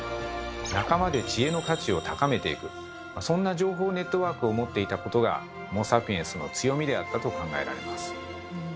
仲間で知恵の価値を高めていくそんな情報ネットワークを持っていたことがホモ・サピエンスの強みであったと考えられます